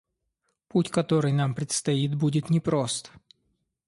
Путь, который нам предстоит, будет непрост.